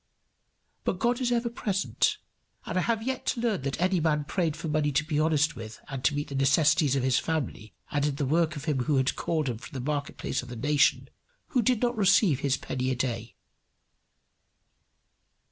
But God is ever present, and I have yet to learn that any man prayed for money to be honest with and to meet the necessities of his family, and did the work of him who had called him from the market place of the nation, who did not receive his penny a day.